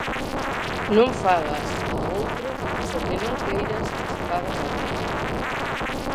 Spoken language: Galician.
Non fagas ao outro o que non queiras que che fagan a ti.